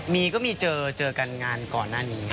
มีก็มีเจอกันงานก่อนหน้านี้